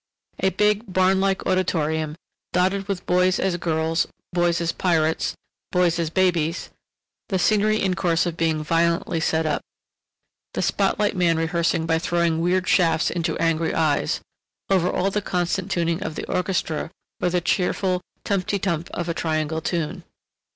A big, barnlike auditorium, dotted with boys as girls, boys as pirates, boys as babies; the scenery in course of being violently set up; the spotlight man rehearsing by throwing weird shafts into angry eyes; over all the constant tuning of the orchestra or the cheerful tumpty tump of a Triangle tune.